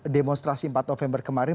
demonstrasi empat november kemarin